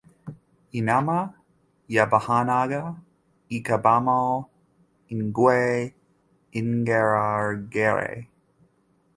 inama y'abahanga ikabamo ingwe, ingeragere